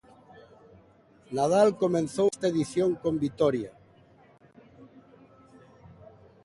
Nadal comezou esta edición con vitoria.